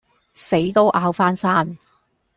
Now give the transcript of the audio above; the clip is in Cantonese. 死都拗返生